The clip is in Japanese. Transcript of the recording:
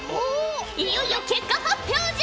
いよいよ結果発表じゃ！